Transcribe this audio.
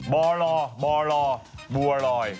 บ่อลอบ่อลอบัวลอย